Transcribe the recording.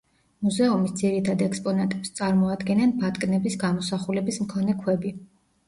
მუზეუმის ძირითად ექსპონატებს წარმოადგენენ ბატკნების გამოსახულების მქონე ქვები.